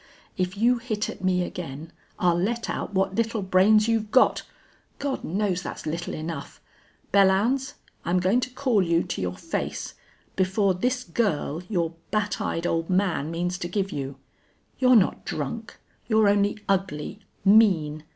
"If you hit at me again I'll let out what little brains you've got. God knows that's little enough!... Belllounds, I'm going to call you to your face before this girl your bat eyed old man means to give you. You're not drunk. You're only ugly mean.